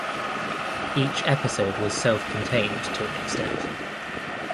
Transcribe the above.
Each episode was self-contained to an extent.